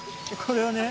これはね。